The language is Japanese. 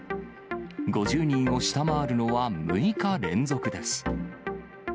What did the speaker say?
５０人を下回るのは６日連続です。